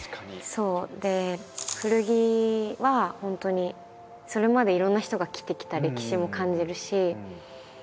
古着は本当にそれまでいろんな人が着てきた歴史も感じるし。